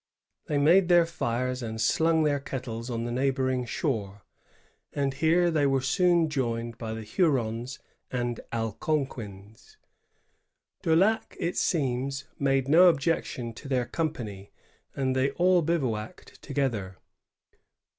They made their fires, and slung their kettles on the neighboring shore; and here they were soon joined by the Hurons and 182 THE HEROES OF THE LONG SAUT. [160a Algonquins. Daulac, it seems, made no objection to their company, and they all bivouacked together.